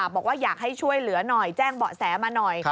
บอกว่าอยากให้ช่วยเหลือหน่อยแจ้งเบาะแสมาหน่อย